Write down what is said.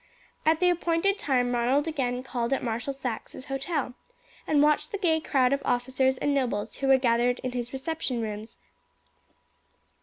At the appointed time Ronald again called at Marshal Saxe's hotel, and watched the gay crowd of officers and nobles who were gathered in his reception rooms.